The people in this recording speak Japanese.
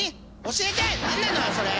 教えて何なのよそれ！